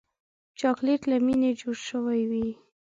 چاکلېټ له مینې جوړ شوی وي.